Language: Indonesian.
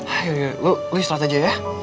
ayo yuk lu istirahat aja ya